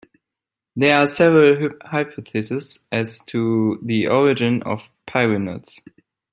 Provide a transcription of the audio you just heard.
There are several hypotheses as to the origin of pyrenoids.